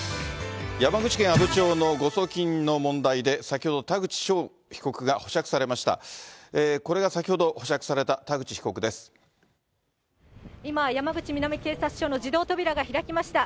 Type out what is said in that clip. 山口県阿武町の誤送金の問題で、先ほど、田口翔被告が保釈されました。